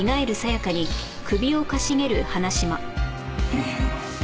うん。